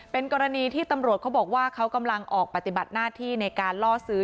เป็นกรณีที่ตำรวจเขาบอกว่าเขากำลังออกปฏิบัติหน้าที่ในการล่อซื้อ